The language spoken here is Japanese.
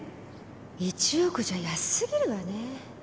１億じゃ安すぎるわね。